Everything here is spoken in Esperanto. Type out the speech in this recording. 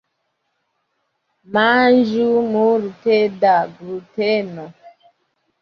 Manĝu multe da gluteno.